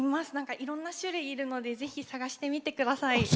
いろんな種類いるので、ぜひ探してみてください。